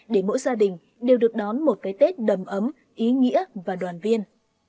để mỗi gia đình đều được đón một cái tết đầm ấm ý nghĩa và đoàn viên